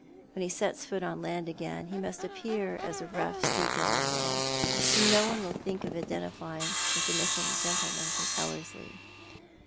When he sets foot on land again he must appear as a rough sea going man, whom no one will think of identifying with the missing gentle man from Ellerslie.